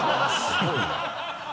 すごいな。